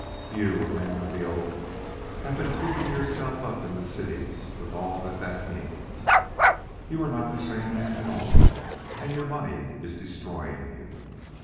You, a man of the open, have been cooping yourself up in the cities with all that that means. You are not the same man at all, and your money is destroying you.